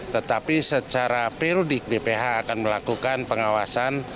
tetapi secara perudik bph akan melakukan pengawasan